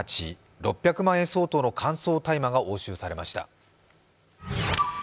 ６００万円相当の乾燥大麻が押収されました。